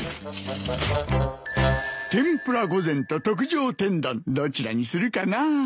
天ぷら御膳と特上天丼どちらにするかな。